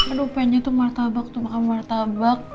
aduh pengennya tuh matabak tuh makan matabak